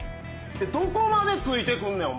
どこまでついてくんねんお前。